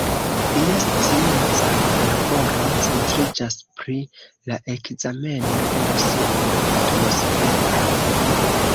Lia scienca laboro centriĝas pri la ekzameno de la suna atmosfero.